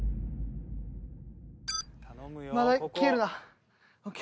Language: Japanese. まだ行けるなＯＫ。